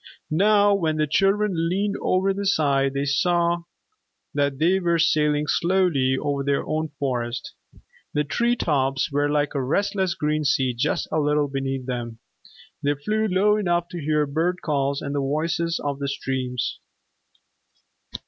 Now when the children leaned over the side, they saw that they were sailing slowly over their own Forest. The tree tops were like a restless green sea just a little beneath them. They flew low enough to hear bird calls and the voices of the streams.